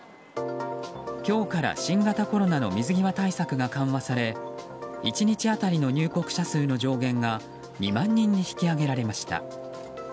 今日から新型コロナの水際対策が緩和され１日当たりの入国者数の上限が２万人に引き上げられました。